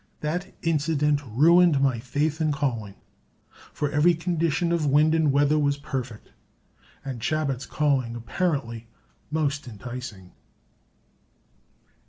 That incident ruined my faith in calling, for every condition of wind and weather was perfect, and Chabot's calling apparently most enticing.